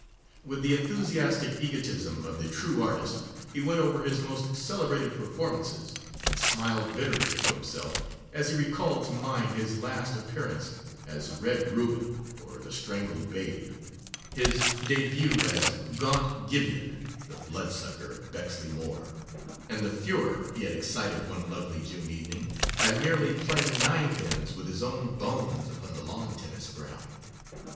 With the enthusiastic egotism of the true artist he went over his most celebrated performances, and smiled bitterly to himself as he recalled to mind his last appearance as 'Red Ruben, or the Strangled Babe,' his début as 'Gaunt Gibeon, the Blood sucker of Bexley Moor,' and the furore he had excited one lovely June evening by merely playing ninepins with his own bones upon the lawn tennis ground.